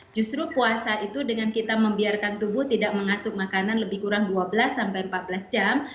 justru puasa itu dengan kita membiarkan tubuh tidak mengasuh makanan lebih kurang dua belas sampai empat belas jam